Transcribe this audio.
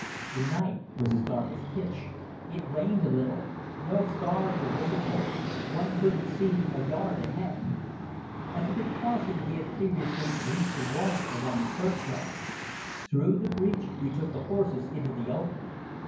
The night was as dark as pitch. It rained a little. No stars were visible. One couldn't see a yard ahead. As a precaution we had previously breached the wall around the churchyard. Through the breach we took the horses into the open.